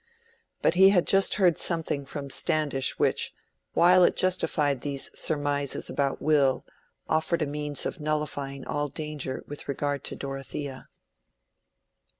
But he had just heard something from Standish which, while it justified these surmises about Will, offered a means of nullifying all danger with regard to Dorothea.